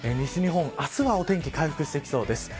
西日本、明日はお天気回復してきそうです。